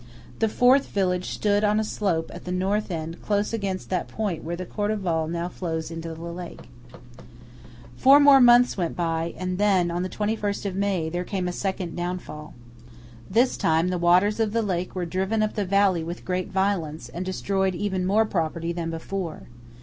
The fourth village stood on a slope at the North end close against that point where the Cordevole now flows into the lake. Four more months went by, and then, on the 21st of May, there came a second downfall. This time the waters of the lake were driven up the valley with great violence, and destroyed even more property than before.